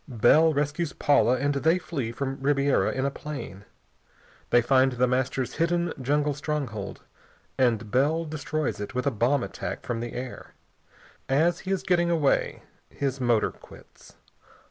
Bell rescues Paula, and they flee from Ribiera in a plane. They find The Master's hidden jungle stronghold, and Bell destroys it with a bomb attack from the air. As he is getting away his motor quits.